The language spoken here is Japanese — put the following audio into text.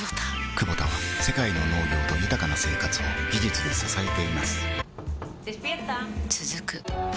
クボタは世界の農業と豊かな生活を技術で支えています起きて。